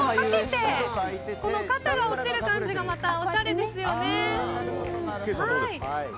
この肩が落ちる感じがまたおしゃれですよね。